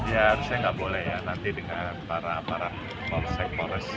ya saya nggak boleh ya nanti dengan para aparat polsek polres